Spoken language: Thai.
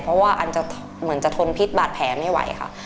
เพราะว่าอันจะเหมือนจะทนพิษบาดแผลไม่ไหวค่ะ